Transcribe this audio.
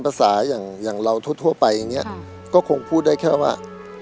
ภาษาอย่างอย่างเราทั่วไปอย่างเงี้ยค่ะก็คงพูดได้แค่ว่า